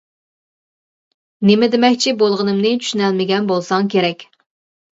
نېمە دېمەكچى بولغىنىمنى چۈشىنەلمىگەن بولساڭ كېرەك.